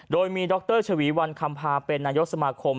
โดยมีดรชวีวันคำพาเป็นนายกสมาคม